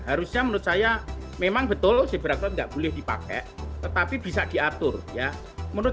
harusnya menurut saya memang betul zebracle tidak boleh dipakai tetapi bisa diatur ya menurut